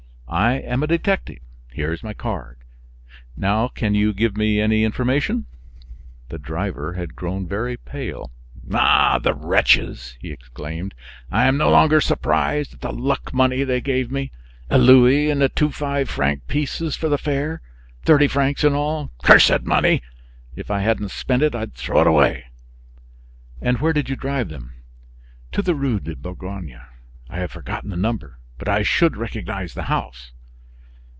I am a detective; here is my card. Now, can you give me any information?" The driver had grown very pale. "Ah! the wretches!" he exclaimed. "I am no longer surprised at the luck money they gave me a louis and two five franc pieces for the fare thirty francs in all. Cursed money! If I hadn't spent it, I'd throw it away!" "And where did you drive them?" "To the Rue de Bourgogne. I have forgotten the number, but I should recognize the house."